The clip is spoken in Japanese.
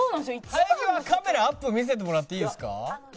生え際カメラアップ見せてもらっていいですか？